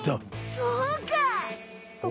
そうか！